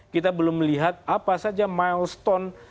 kita belum melihat apa saja milestone